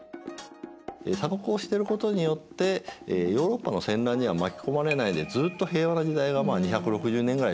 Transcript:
鎖国をしてることによってヨーロッパの戦乱には巻き込まれないでずっと平和な時代が２６０年ぐらい続いたってのがいいですね。